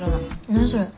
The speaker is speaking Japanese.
何それ。